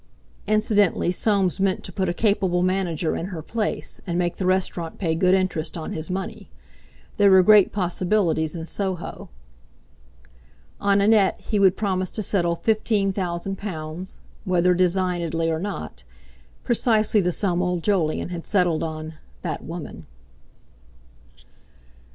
(Incidentally Soames meant to put a capable manager in her place, and make the restaurant pay good interest on his money. There were great possibilities in Soho.) On Annette he would promise to settle fifteen thousand pounds (whether designedly or not), precisely the sum old Jolyon had settled on "that woman."